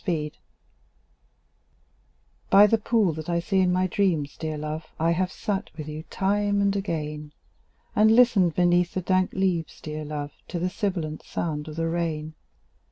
THE POOL By the pool that I see in my dreams, dear love, I have sat with you time and again; And listened beneath the dank leaves, dear love, To the sibilant sound of the rain.